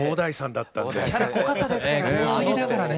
キャラ濃かったですからね。